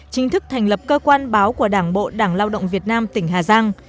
chính thức thành lập cơ quan báo của đảng bộ đảng lao động việt nam tỉnh hà giang